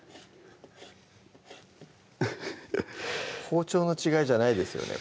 包丁の違いじゃないですよね